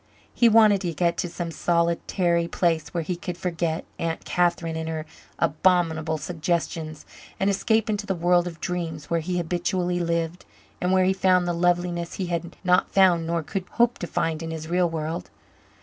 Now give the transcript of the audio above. He wanted to get to some solitary place where he could forget Aunt Catherine and her abominable suggestions and escape into the world of dreams where he habitually lived and where he found the loveliness he had not found nor could hope to find in his real world.